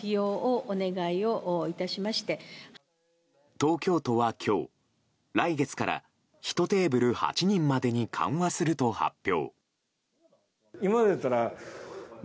東京都は今日、来月からひとテーブル８人までに緩和すると発表。